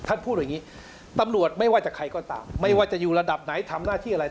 พูดอย่างนี้ตำรวจไม่ว่าจะใครก็ตามไม่ว่าจะอยู่ระดับไหนทำหน้าที่อะไร